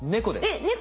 えっ猫？